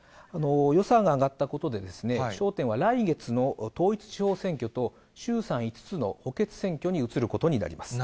予算が上がったことで、焦点は来月の統一地方選挙と、衆参５つの補欠選挙に移ることになります。